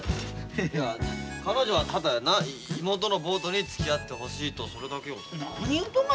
いや彼女はただなっ妹のボートにつきあってほしいとそれだけをだな。